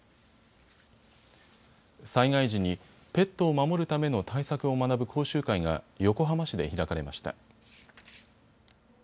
災害時にペットを守るための対策を学ぶ講習会が横浜市で開かれました。